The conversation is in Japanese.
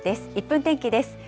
１分天気です。